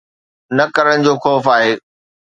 نه ڪرڻ جو خوف آهي.